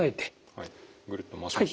はいぐるっと回しました。